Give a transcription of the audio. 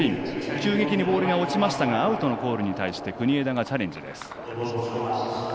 急激にボールが落ちましたがアウトのコールに対して国枝がチャレンジです。